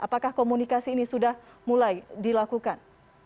apakah komunikasi ini sudah mulai dilakukan